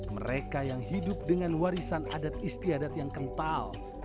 mereka yang hidup dengan warisan adat istiadat yang kental